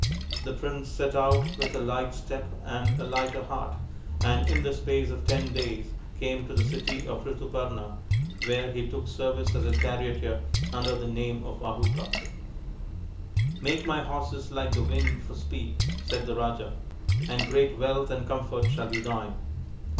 The prince set out with a light step and a lighter heart, and in the space of ten days came to the city of Rituparna, where he took service as a charioteer under the name of Vahuka. " Make my horses like the wind for speed," said the Raja, " and great wealth and comfort shall be thine."